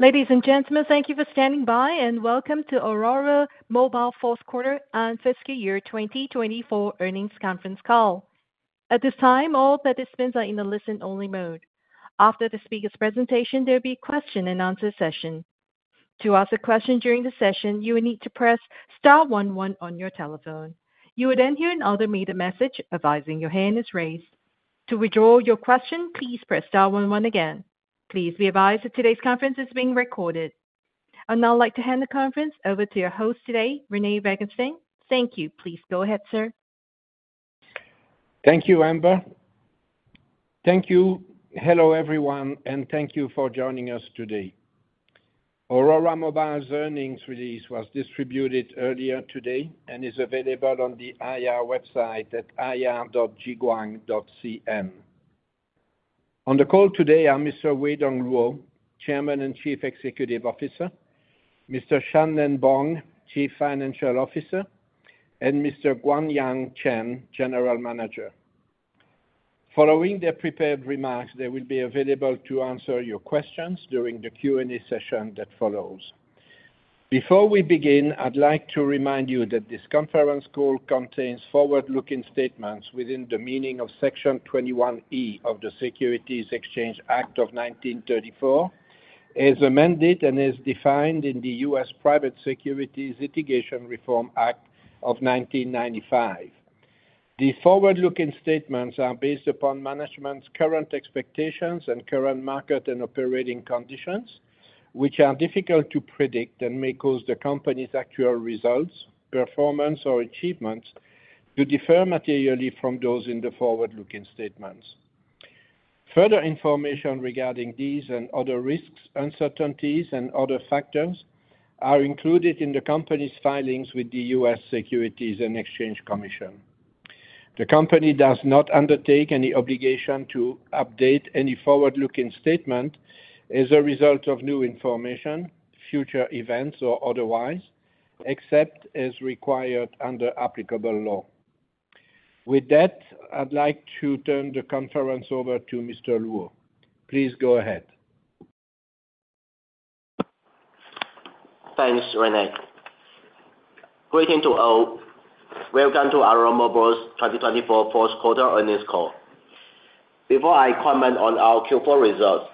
Ladies and gentlemen, thank you for standing by, and welcome to Aurora Mobile Fourth Quarter and Fiscal Year 2024 Earnings Conference Call. At this time, all participants are in the listen-only mode. After the speaker's presentation, there will be a question-and-answer session. To ask a question during the session, you will need to press star one one on your telephone. You will then hear an automated message advising your hand is raised. To withdraw your question, please press star one one again. Please be advised that today's conference is being recorded. I'd now like to hand the conference over to your host today, René Vanguestaine. Thank you. Please go ahead, sir. Thank you, Amber. Thank you. Hello, everyone, and thank you for joining us today. Aurora Mobile's earnings release was distributed earlier today and is available on the IR website at ir.jiguang.cn. On the call today are Mr. Weidong Luo, Chairman and Chief Executive Officer, Mr. Shan-Nen Bong, Chief Financial Officer, and Mr. Guangyan Chen, General Manager. Following their prepared remarks, they will be available to answer your questions during the Q&A session that follows. Before we begin, I'd like to remind you that this conference call contains forward-looking statements within the meaning of Section 21E of the Securities Exchange Act of 1934, as amended and as defined in the U.S. Private Securities Litigation Reform Act of 1995. These forward-looking statements are based upon management's current expectations and current market and operating conditions, which are difficult to predict and may cause the company's actual results, performance, or achievements to differ materially from those in the forward-looking statements. Further information regarding these and other risks, uncertainties, and other factors are included in the company's filings with the U.S. Securities and Exchange Commission. The company does not undertake any obligation to update any forward-looking statement as a result of new information, future events, or otherwise, except as required under applicable law. With that, I'd like to turn the conference over to Mr. Luo. Please go ahead. Thanks, René. Greetings to all. Welcome to Aurora Mobile's 2024 Fourth Quarter Earnings Call. Before I comment on our Q4 results,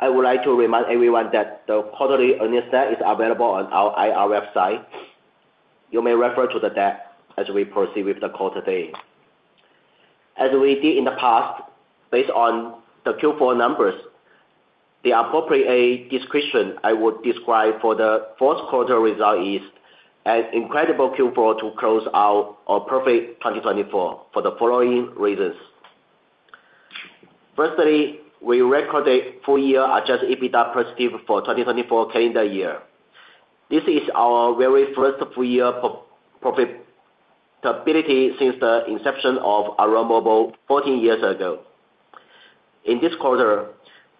I would like to remind everyone that the quarterly earnings stat is available on our IR website. You may refer to that as we proceed with the call today. As we did in the past, based on the Q4 numbers, the appropriate description I would describe for the fourth quarter result is an incredible Q4 to close out a perfect 2024 for the following reasons. Firstly, we recorded full-year adjusted EBITDA positive for the 2024 calendar year. This is our very first full-year profitability since the inception of Aurora Mobile 14 years ago. In this quarter,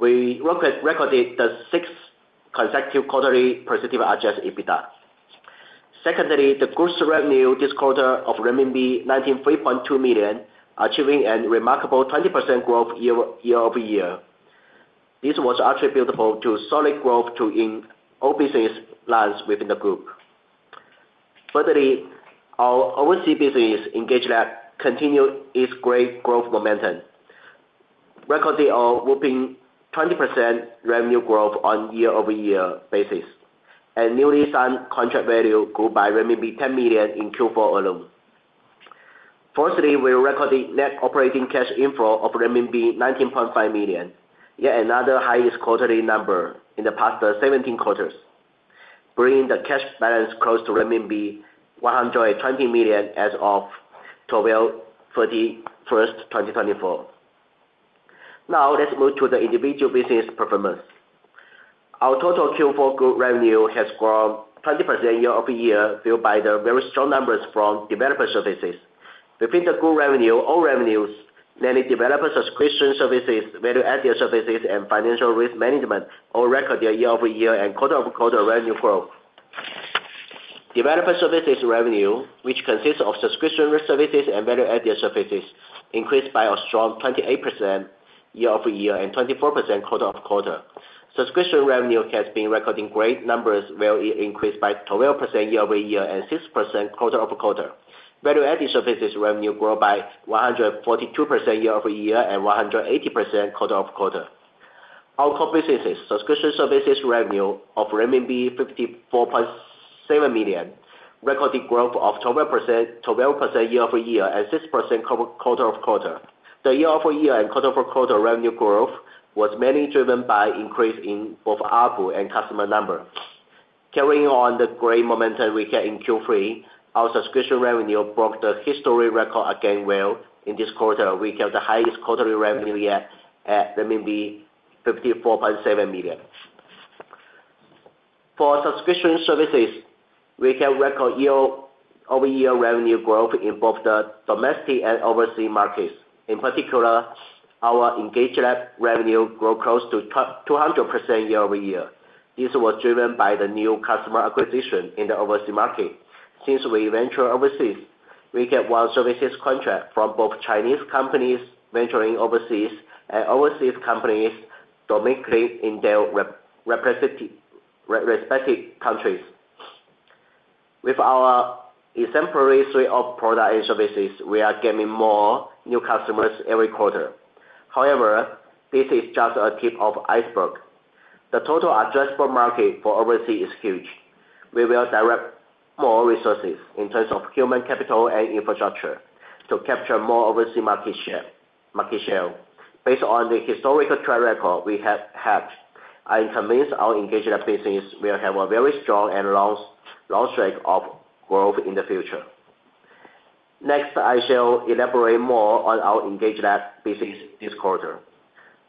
we recorded the sixth consecutive quarterly positive adjusted EBITDA. Secondly, the gross revenue this quarter of RMB 93.2 million, achieving a remarkable 20% growth year-over-year. This was attributable to solid growth in all business lines within the group. Furtherly, our overseas business EngageLab continued its great growth momentum, recording a whopping 20% revenue growth on a year-over-year basis, and newly signed contract value grew by 10 million in Q4 alone. Fourthly, we recorded net operating cash inflow of renminbi 19.5 million, yet another highest quarterly number in the past 17 quarters, bringing the cash balance close to renminbi 120 million as of December 31st, 2024. Now, let's move to the individual business performance. Our total Q4 group revenue has grown 20% year-over-year, fueled by the very strong numbers from developer services. Within the group revenue, all revenues, namely Developer Subscription Services, Value-Added Services, and Financial Risk Management, all recorded year-over-year and quarter-over-quarter revenue growth. Developer services revenue, which consists of subscription services and value-added services, increased by a strong 28% year-over-year and 24% quarter-over-quarter. Subscription revenue has been recording great numbers, where it increased by 12% year-over-year and 6% quarter-over-quarter. Value-added services revenue grew by 142% year-over-year and 180% quarter-over-quarter. Our core businesses, subscription services revenue of RMB 54.7 million, recorded growth of 12% year-over-year and 6% quarter-over-quarter. The year-over-year and quarter-over-quarter revenue growth was mainly driven by an increase in both ARPU and customer numbers. Carrying on the great momentum we had in Q3, our subscription revenue broke the history record again, where in this quarter we kept the highest quarterly revenue yet at 54.7 million. For subscription services, we kept record year-over-year revenue growth in both the domestic and overseas markets. In particular, our engaged revenue grew close to 200% year-over-year. This was driven by the new customer acquisition in the overseas market. Since we ventured overseas, we kept one services contract from both Chinese companies venturing overseas and overseas companies domestically in their respective countries. With our exemplary suite of products and services, we are gaining more new customers every quarter. However, this is just a tip of the iceberg. The total addressable market for overseas is huge. We will direct more resources in terms of human capital and infrastructure to capture more overseas market share. Based on the historical track record we have, I am convinced our engaged business will have a very strong and long streak of growth in the future. Next, I shall elaborate more on our engaged business this quarter.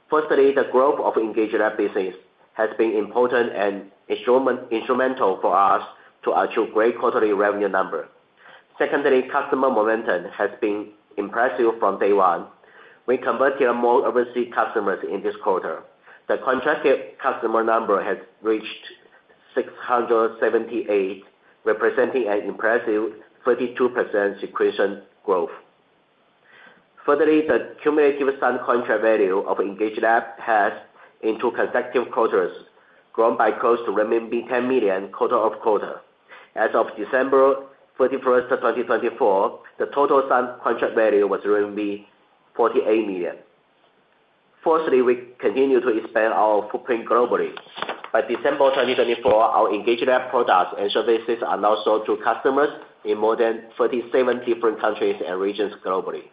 Firstly, the growth of engaged business has been important and instrumental for us to achieve great quarterly revenue numbers. Secondly, customer momentum has been impressive from day one. We converted more overseas customers in this quarter. The contracted customer number has reached 678, representing an impressive 32% sequential growth. Furtherly, the cumulative signed contract value of EngageLab has in two consecutive quarters grown by close to 10 million quarter-over-quarter. As of December 31st, 2024, the total signed contract value was 48 million. Fourthly, we continue to expand our footprint globally. By December 2024, our EngageLab products and services are now sold to customers in more than 37 different countries and regions globally.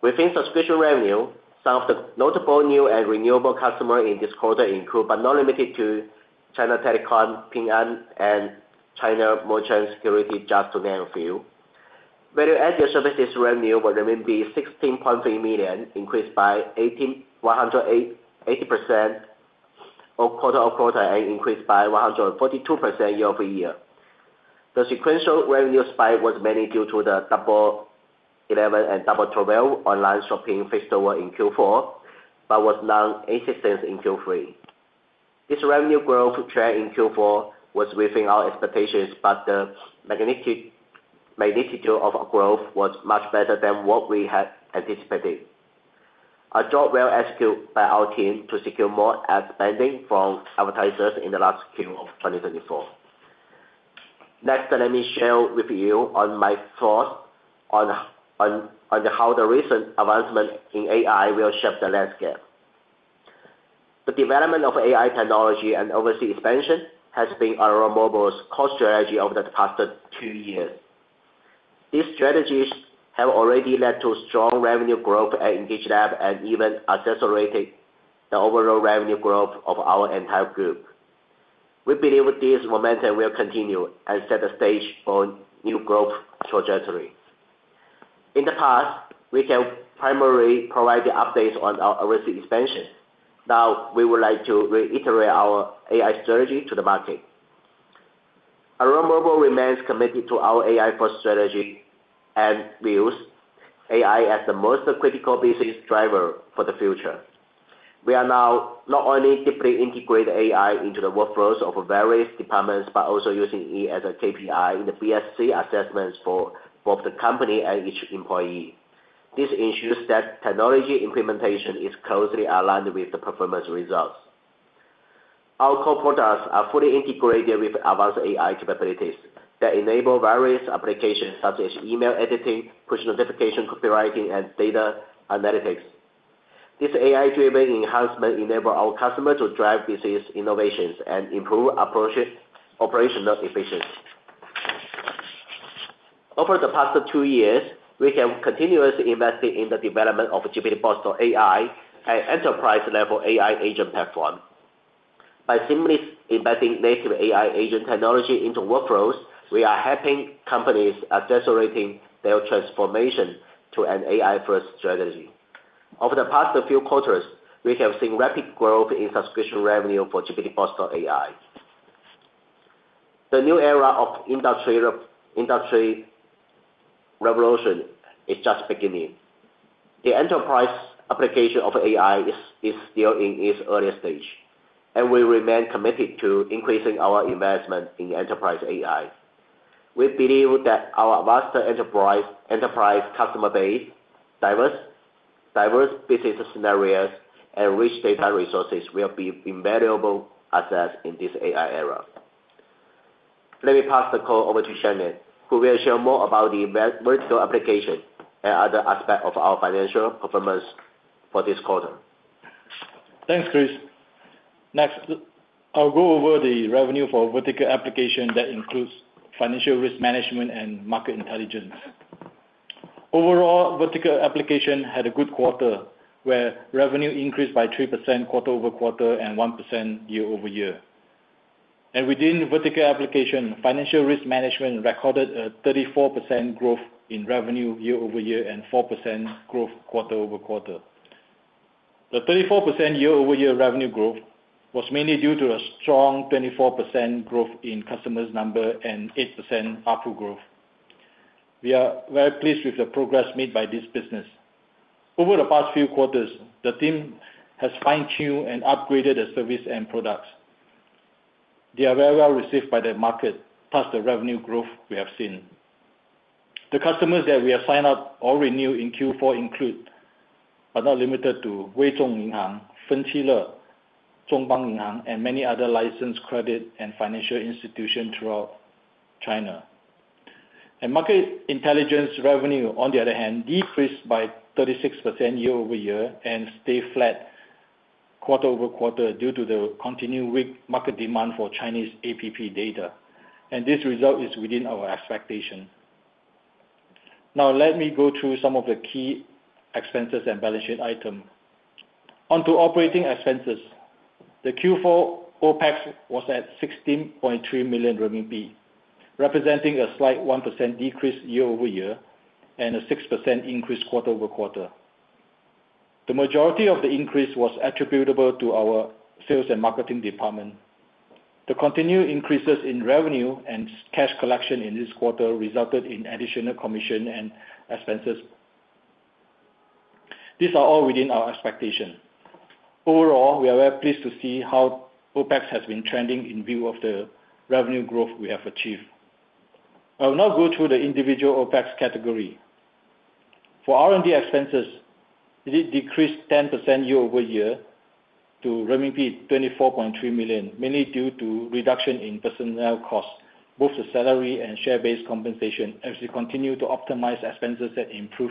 Within subscription revenue, some of the notable new and renewable customers in this quarter include, but not limited to, China Telecom, Ping An, and China Merchants Securities, just to name a few. Value-added services revenue was 16.3 million, increased by 180% quarter-over-quarter and increased by 142% year-over-year. The sequential revenue spike was mainly due to the 11 and 12 online shopping phase over in Q4, but was non-existent in Q3. This revenue growth trend in Q4 was within our expectations, but the magnitude of our growth was much better than what we had anticipated. A job well executed by our team to secure more ad spending from advertisers in the last Q of 2024. Next, let me share with you my thoughts on how the recent advancement in AI will shape the landscape. The development of AI technology and overseas expansion has been Aurora Mobile's core strategy over the past two years. These strategies have already led to strong revenue growth at engaged and even accelerated the overall revenue growth of our entire group. We believe this momentum will continue and set the stage for new growth trajectory. In the past, we can primarily provide the updates on our overseas expansion. Now, we would like to reiterate our AI strategy to the market. Aurora Mobile remains committed to our AI force strategy and views AI as the most critical business driver for the future. We are now not only deeply integrated AI into the workflows of various departments, but also using it as a KPI in the BSC assessments for both the company and each employee. This ensures that technology implementation is closely aligned with the performance results. Our core products are fully integrated with advanced AI capabilities that enable various applications such as email editing, push notification copywriting, and data analytics. This AI-driven enhancement enables our customers to drive business innovations and improve operational efficiency. Over the past two years, we have continuously invested in the development of GPTBots.ai, an enterprise-level AI agent platform. By seamlessly embedding native AI agent technology into workflows, we are helping companies accelerate their transformation to an AI-first strategy. Over the past few quarters, we have seen rapid growth in subscription revenue for GPTBots.ai. The new era of industry revolution is just beginning. The enterprise application of AI is still in its earliest stage, and we remain committed to increasing our investment in enterprise AI. We believe that our vast enterprise customer base, diverse business scenarios, and rich data resources will be invaluable assets in this AI era. Let me pass the call over to Shan-Nen, who will share more about the vertical application and other aspects of our financial performance for this quarter. Thanks, Chris. Next, I'll go over the revenue for vertical application that includes Financial Risk Management and Market Intelligence. Overall, vertical application had a good quarter, where revenue increased by 3% quarter-over-quarter and 1% year-over-year. Within vertical application, Financial Risk Management recorded a 34% growth in revenue year over year and 4% growth quarter-over-quarter. The 34% year-over-year revenue growth was mainly due to a strong 24% growth in customer number and 8% ARPU growth. We are very pleased with the progress made by this business. Over the past few quarters, the team has fine-tuned and upgraded the service and products. They are very well received by the market, plus the revenue growth we have seen. The customers that we have signed up or renewed in Q4 include, but not limited to, Weizhong Bank, Fenqile, Zhongbang Bank, and many other licensed credit and financial institutions throughout China. Market intelligence revenue, on the other hand, decreased by 36% year-over-year and stayed flat quarter-over-quarter due to the continued weak market demand for Chinese APP data. This result is within our expectation. Now, let me go through some of the key expenses and balance sheet items. Onto operating expenses. The Q4 OPEX was at 16.3 million RMB, representing a slight 1% decrease year over year and a 6% increase quarter-over-quarter. The majority of the increase was attributable to our sales and marketing department. The continued increases in revenue and cash collection in this quarter resulted in additional commission and expenses. These are all within our expectation. Overall, we are very pleased to see how OPEX has been trending in view of the revenue growth we have achieved. I will now go through the individual OPEX category. For R&D expenses, it decreased 10% year-over-year to renminbi 24.3 million, mainly due to reduction in personnel costs, both the salary and share-based compensation, as we continue to optimize expenses that improve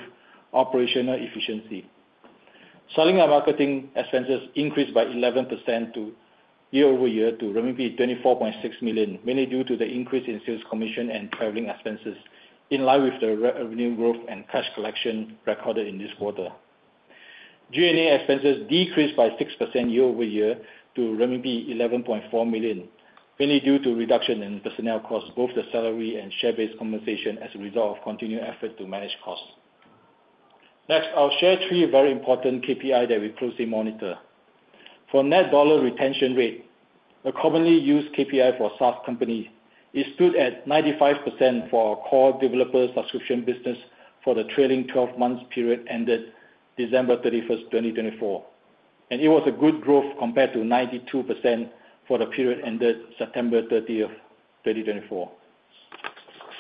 operational efficiency. Selling and marketing expenses increased by 11% year-over-year to 24.6 million, mainly due to the increase in sales commission and traveling expenses, in line with the revenue growth and cash collection recorded in this quarter. G&A expenses decreased by 6% year-over-year to RMB 11.4 million, mainly due to reduction in personnel costs, both the salary and share-based compensation, as a result of continued efforts to manage costs. Next, I'll share three very important KPIs that we closely monitor. For net dollar retention rate, a commonly used KPI for SaaS companies, it stood at 95% for our core developer subscription business for the trailing 12-month period ended December 31st, 2024. It was a good growth compared to 92% for the period ended September 30th, 2024.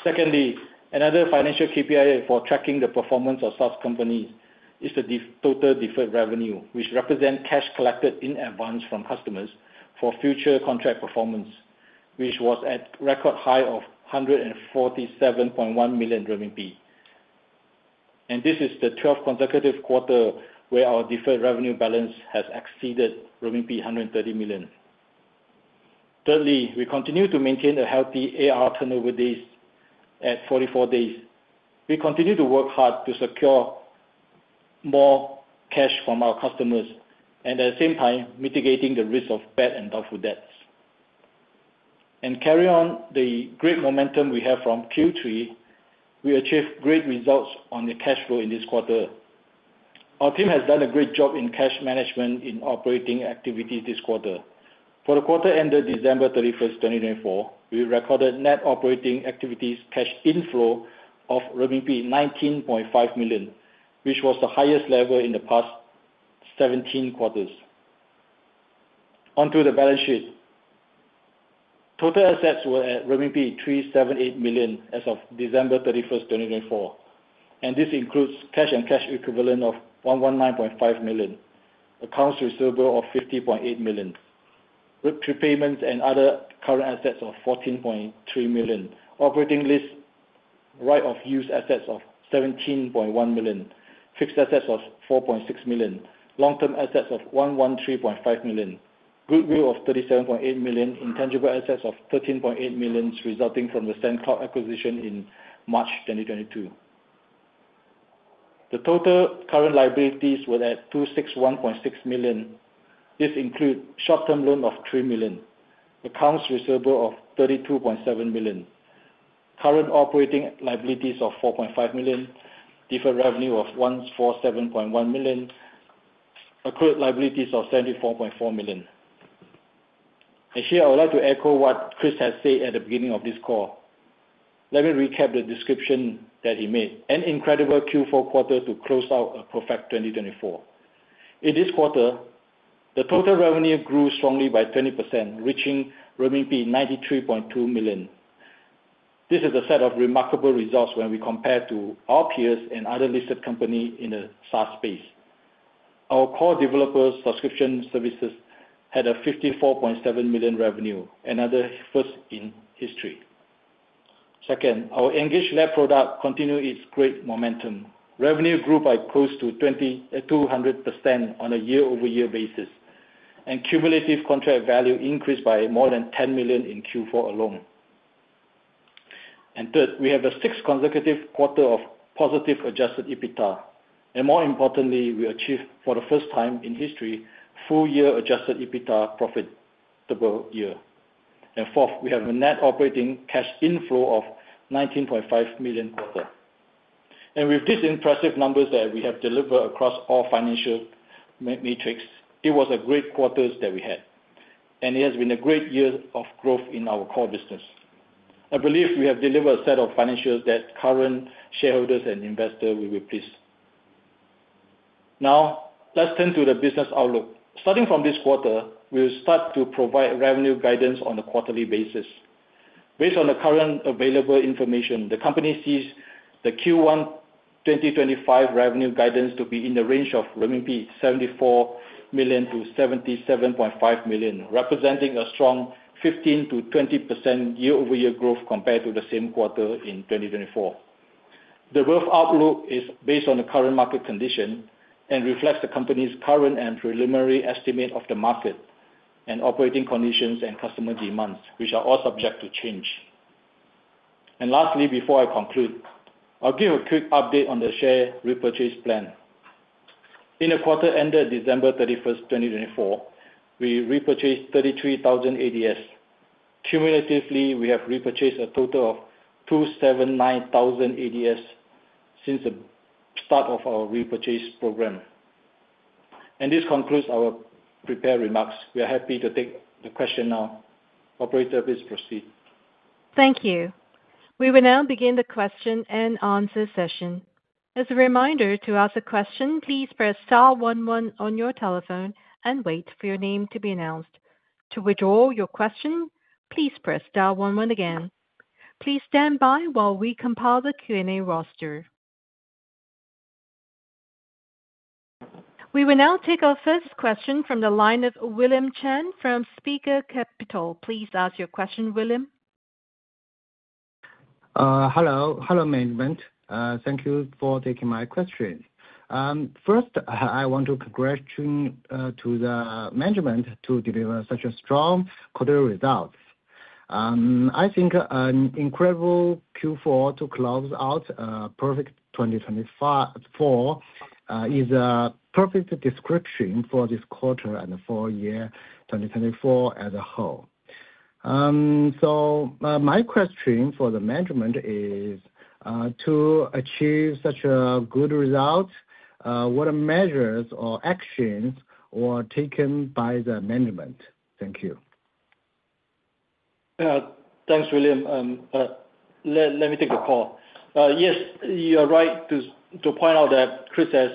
Secondly, another financial KPI for tracking the performance of SaaS companies is the total deferred revenue, which represents cash collected in advance from customers for future contract performance, which was at a record high of 147.1 million. This is the 12th consecutive quarter where our deferred revenue balance has exceeded 130 million. Thirdly, we continue to maintain a healthy AR turnover days at 44 days. We continue to work hard to secure more cash from our customers and, at the same time, mitigating the risk of bad and doubtful debts. Carrying on the great momentum we had from Q3, we achieved great results on the cash flow in this quarter. Our team has done a great job in cash management in operating activities this quarter. For the quarter ended December 31st, 2024, we recorded net operating activities cash inflow of RMB 19.5 million, which was the highest level in the past 17 quarters. Onto the balance sheet. Total assets were at renminbi 378 million as of December 31st, 2024. This includes cash and cash equivalent of 119.5 million, accounts receivable of 50.8 million, prepayments and other current assets of 14.3 million, operating lease right of use assets of 17.1 million, fixed assets of 4.6 million, long-term assets of 113.5 million, goodwill of 37.8 million, intangible assets of 13.8 million resulting from the SendCloud acquisition in March 2022. The total current liabilities were at 261.6 million. This includes short-term loan of 3 million, accounts receivable of 32.7 million, current operating liabilities of 4.5 million, deferred revenue of 147.1 million, accrued liabilities of 74.4 million. Here, I would like to echo what Chris has said at the beginning of this call. Let me recap the description that he made. An incredible Q4 quarter to close out a perfect 2024. In this quarter, the total revenue grew strongly by 20%, reaching renminbi 93.2 million. This is a set of remarkable results when we compare to our peers and other listed companies in the SaaS space. Our core Developer Subscription Services had a 54.7 million revenue, another first in history. Second, our EngageLab product continued its great momentum. Revenue grew by close to 200% on a year-over-year basis, and cumulative contract value increased by more than 10 million in Q4 alone. Third, we have a sixth consecutive quarter of positive adjusted EBITDA. More importantly, we achieved, for the first time in history, full-year adjusted EBITDA profitable year. Fourth, we have a net operating cash inflow of 19.5 million quarter. With these impressive numbers that we have delivered across all financial metrics, it was a great quarter that we had. It has been a great year of growth in our core business. I believe we have delivered a set of financials that current shareholders and investors will be pleased. Now, let's turn to the business outlook. Starting from this quarter, we will start to provide revenue guidance on a quarterly basis. Based on the current available information, the company sees the Q1 2025 revenue guidance to be in the range of 74 million-77.5 million RMB, representing a strong 15%-20% year-over-year growth compared to the same quarter in 2024. The growth outlook is based on the current market condition and reflects the company's current and preliminary estimate of the market and operating conditions and customer demands, which are all subject to change. Lastly, before I conclude, I'll give a quick update on the share repurchase plan. In the quarter ended December 31st, 2024, we repurchased 33,000 ADS. Cumulatively, we have repurchased a total of 279,000 ADS since the start of our repurchase program. This concludes our prepared remarks. We are happy to take the question now. Operator, please proceed. Thank you. We will now begin the question and answer session. As a reminder, to ask a question, please press star one one on your telephone and wait for your name to be announced. To withdraw your question, please press star one one again. Please stand by while we compile the Q&A roster. We will now take our first question from the line of William Chan from Sica Capital. Please ask your question, William. Hello. Hello, management. Thank you for taking my question. First, I want to congratulate the management to deliver such strong quarterly results. I think an incredible Q4 to close out a perfect 2024 is a perfect description for this quarter and the full year 2024 as a whole. My question for the management is, to achieve such a good result, what measures or actions were taken by the management? Thank you. Thanks, William. Let me take the call. Yes, you are right to point out that Chris has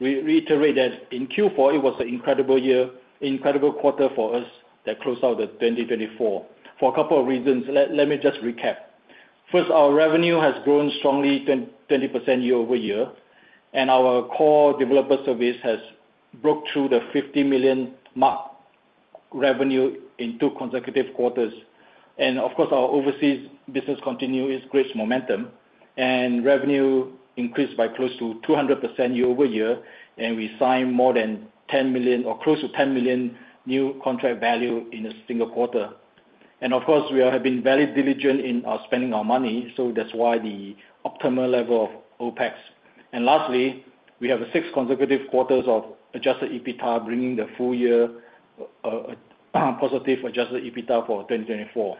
reiterated that in Q4, it was an incredible year, incredible quarter for us that closed out the 2024 for a couple of reasons. Let me just recap. First, our revenue has grown strongly, 20% year-over-year. Our core developer service has broke through the 50 million mark revenue in two consecutive quarters. Our overseas business continues its great momentum. Revenue increased by close to 200% year-over-year. We signed more than 10 million or close to 10 million new contract value in a single quarter. We have been very diligent in spending our money. That is why the optimal level of OPEX. Lastly, we have six consecutive quarters of adjusted EBITDA bringing the full-year positive adjusted EBITDA for 2024.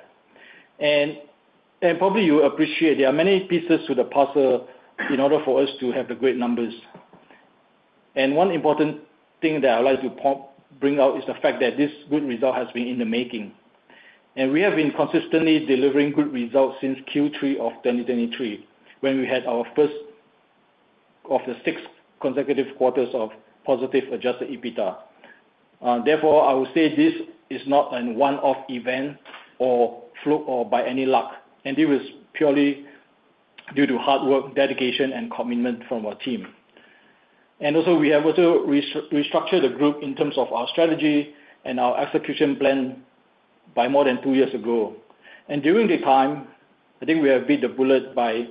You probably appreciate there are many pieces to the puzzle in order for us to have the great numbers. One important thing that I'd like to bring out is the fact that this good result has been in the making. We have been consistently delivering good results since Q3 of 2023, when we had our first of the six consecutive quarters of positive adjusted EBITDA. Therefore, I would say this is not a one-off event or fluke or by any luck. It was purely due to hard work, dedication, and commitment from our team. We have also restructured the group in terms of our strategy and our execution plan by more than two years ago. During the time, I think we have bit the bullet by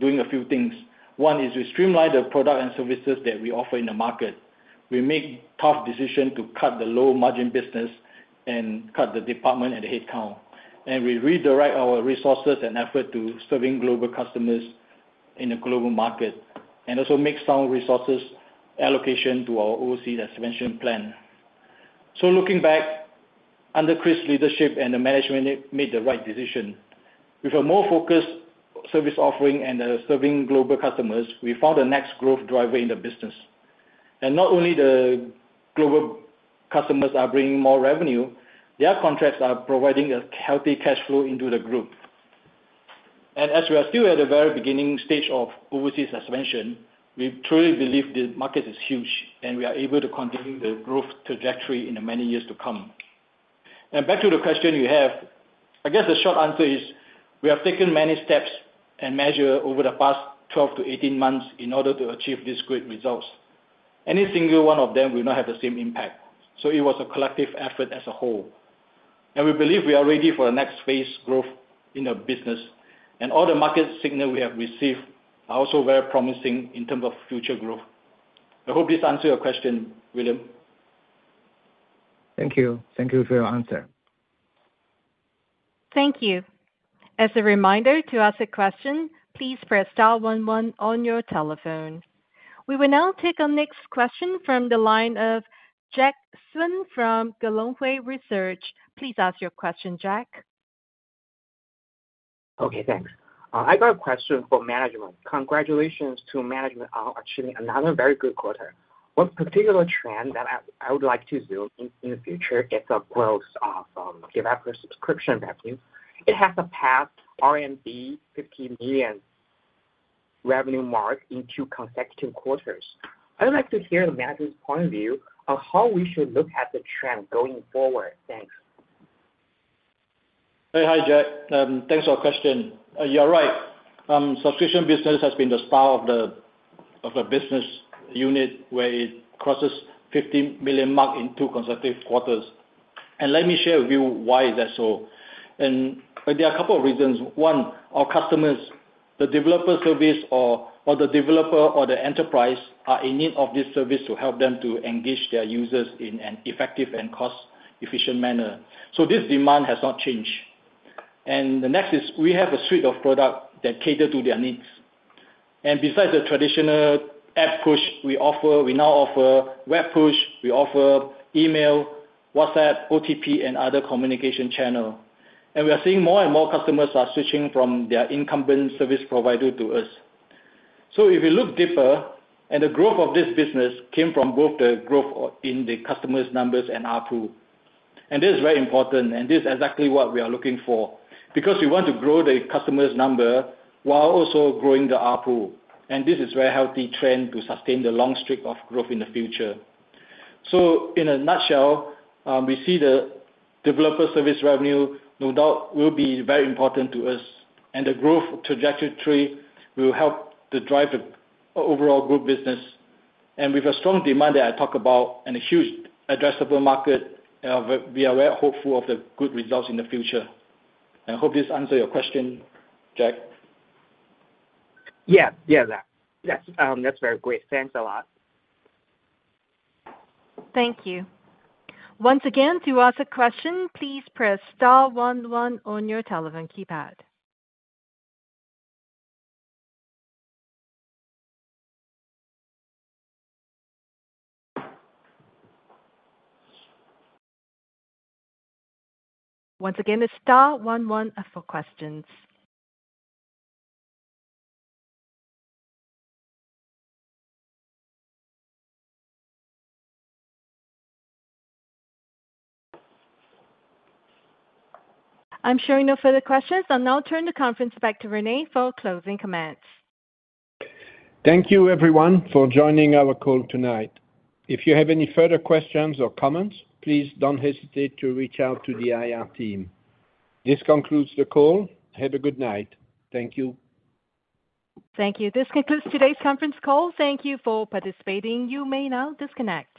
doing a few things. One is we streamlined the product and services that we offer in the market. We made tough decisions to cut the low-margin business and cut the department and the headcount. We redirect our resources and efforts to serving global customers in the global market and also make sound resources allocation to our overseas expansion plan. Looking back, under Chris's leadership and the management made the right decision. With a more focused service offering and serving global customers, we found the next growth driver in the business. Not only are the global customers bringing more revenue, their contracts are providing a healthy cash flow into the group. As we are still at the very beginning stage of overseas expansion, we truly believe the market is huge, and we are able to continue the growth trajectory in the many years to come. Back to the question you have, I guess the short answer is we have taken many steps and measures over the past 12-18 months in order to achieve these great results. Any single one of them will not have the same impact. It was a collective effort as a whole. We believe we are ready for the next phase growth in the business. All the market signals we have received are also very promising in terms of future growth. I hope this answers your question, William. Thank you. Thank you for your answer. Thank you. As a reminder to ask a question, please press star 11 on your telephone. We will now take our next question from the line of Jack Sun from Gelonghui Research. Please ask your question, Jack. Okay, thanks. I got a question for management. Congratulations to management on achieving another very good quarter. One particular trend that I would like to zoom in the future is the growth of developer subscription revenue. It has surpassed RMB 50 million revenue mark in two consecutive quarters. I would like to hear the management's point of view on how we should look at the trend going forward. Thanks. Hey, hi, Jack. Thanks for your question. You are right. Subscription business has been the star of the business unit where it crosses 50 million mark in two consecutive quarters. Let me share with you why is that so. There are a couple of reasons. One, our customers, the developer service or the developer or the enterprise are in need of this service to help them to engage their users in an effective and cost-efficient manner. This demand has not changed. The next is we have a suite of products that cater to their needs. Besides the traditional app push, we now offer web push. We offer email, WhatsApp, OTP, and other communication channels. We are seeing more and more customers are switching from their incumbent service provider to us. If we look deeper, the growth of this business came from both the growth in the customer numbers and ARPU. This is very important. This is exactly what we are looking for because we want to grow the customer number while also growing the ARPU. This is a very healthy trend to sustain the long streak of growth in the future. In a nutshell, we see the developer service revenue no doubt will be very important to us. The growth trajectory will help to drive the overall good business. With the strong demand that I talked about and a huge addressable market, we are very hopeful of the good results in the future. I hope this answers your question, Jack. Yeah, yeah, Jack. That's very great. Thanks a lot. Thank you. Once again, to ask a question, please press star one one on your telephone keypad. Once again, the star one one for questions. I'm showing no further questions. I'll now turn the conference back to René for closing comments. Thank you, everyone, for joining our call tonight. If you have any further questions or comments, please do not hesitate to reach out to the IR team. This concludes the call. Have a good night. Thank you. Thank you. This concludes today's conference call. Thank you for participating. You may now disconnect.